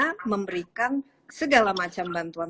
kita memberikan segala macam bantuan